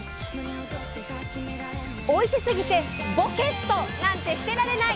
おいしすぎてぼけっとなんてしてられない！